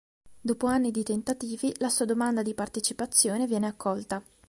Dopo anni di tentativi, la sua domanda di partecipazione viene accolta.